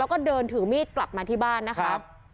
แล้วก็เดินถือมีดกลับมาที่บ้านนะคะ